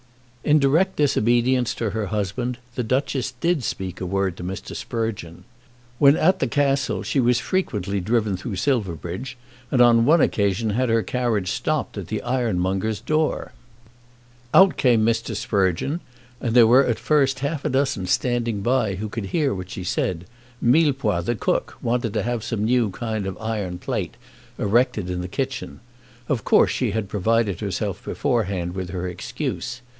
In direct disobedience to her husband the Duchess did speak a word to Mr. Sprugeon. When at the Castle she was frequently driven through Silverbridge, and on one occasion had her carriage stopped at the ironmonger's door. Out came Mr. Sprugeon, and there were at first half a dozen standing by who could hear what she said. Millepois, the cook, wanted to have some new kind of iron plate erected in the kitchen. Of course she had provided herself beforehand with her excuse.